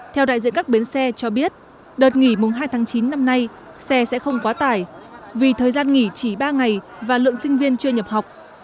theo đại diện các bến xe cho biết đợt nghỉ mùng hai tháng chín năm nay xe sẽ không quá tải vì thời gian nghỉ chỉ ba ngày và lượng sinh viên chưa nhập học